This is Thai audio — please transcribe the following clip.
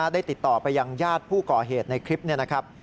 ได้ติดต่อไปยังญาติผู้ก่อเหตุในคลิปนี้นะครับ